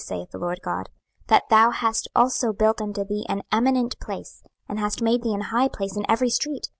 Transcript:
saith the LORD GOD;) 26:016:024 That thou hast also built unto thee an eminent place, and hast made thee an high place in every street.